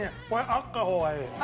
あった方がいい。